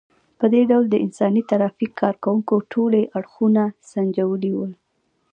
په دې ډول د انساني ترافیک کار کوونکو ټولي اړخونه سنجولي وو.